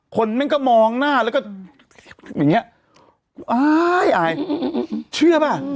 คนมันก็มองหน้าแล้วก็อย่างเนี้ยชื่อป่ะ